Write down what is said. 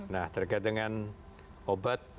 nah terkait dengan obat